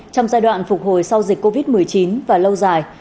trong giai đoạn phục hồi sau dịch covid một mươi chín và lâu dài